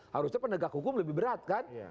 harusnya penegak hukum lebih berat kan